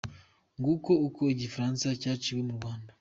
Nguko uko igifaransa cyaciwe mu Rwanda.